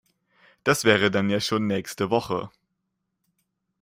Das wäre dann ja schon nächste Woche.